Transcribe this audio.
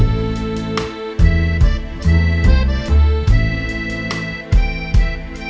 สวรรค์หวัดอีก